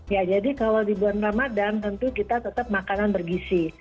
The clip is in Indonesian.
ya jadi kalau di bulan ramadan tentu kita tetap makanan bergisi